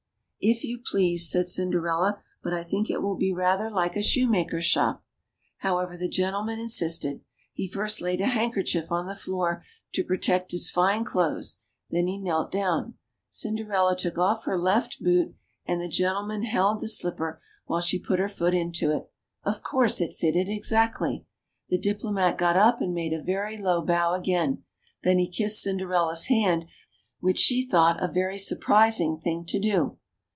^^If you please," said Cinderella; ^^but I think it will be rather like a shoemaker's shop." However, the gen tleman insisted ; he first laid a handkerchief on the floor, to protect his fine clothes, then he knelt down. Cinder ella took off her left boot, and the gentleman held the 32 THE CHILDREN'S WONDER BOOK. slipper while she put her foot into it ; of course it fitted exactly. The Diplomat got up and made a very low bow again ; then he kissed Cinderella's hand, which she thought a very surprising thing to do.